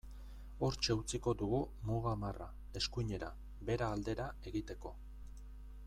Hortxe utziko dugu muga marra, eskuinera, Bera aldera, egiteko.